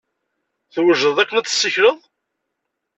Twejdeḍ akken ad tessikleḍ?